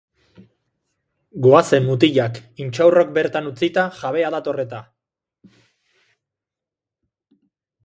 Goazen, mutilak, intxaurrok bertan utzita, jabea dator eta.